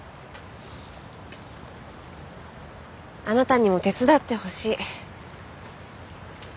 あなたにも手伝ってほしい。